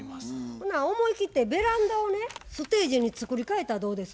ほな思い切ってベランダをねステージに作り替えたらどうです？